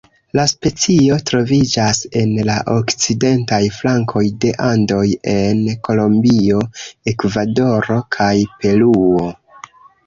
La specio troviĝas en la okcidentaj flankoj de Andoj en Kolombio, Ekvadoro kaj Peruo.